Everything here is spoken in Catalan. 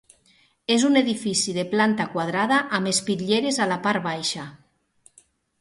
És un edifici de planta quadrada amb espitlleres a la part baixa.